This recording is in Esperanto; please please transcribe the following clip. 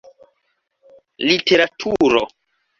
literaturo